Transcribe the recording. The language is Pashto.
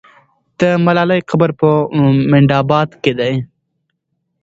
د ملالۍ قبر په منډآباد کې دی.